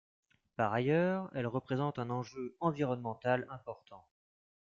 Par ailleurs, elle représente un enjeu environnemental important.